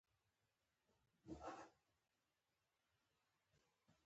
احمدشاه بابا به د هر وګړي سره عدالت کاوه.